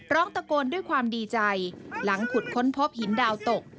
ร้องตะโกนด้วยความดีใจหลังขุดค้นพบหินดาวตก